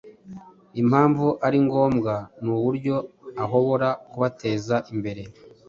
impamvu ari ngombwa nuburyo uhobora kubateza imbere